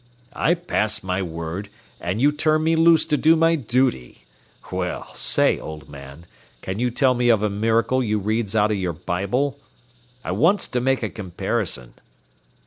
"I pass my word, an' you turn me loose to do my duty. Well say, old man, can you tell me of a miracle you reads out o' your Bible? I wants to make a comparison."